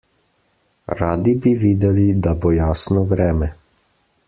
Radi bi videli, da bo jasno vreme.